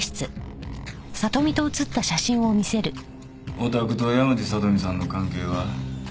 おたくと山路さとみさんの関係は？